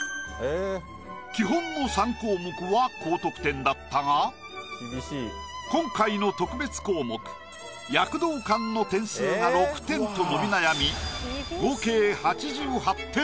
基本の３項目は高得点だったが今回の特別項目躍動感の点数が６点と伸び悩み合計８８点。